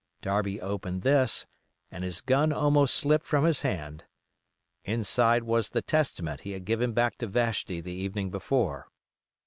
Darby opened this, and his gun almost slipped from his hand. Inside was the Testament he had given back to Vashti the evening before.